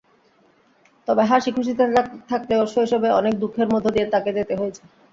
তবে হাসি-খুশিতে থাকলেও শৈশবে অনেক দুঃখের মধ্যে দিয়ে তাঁকে যেতে হয়েছে।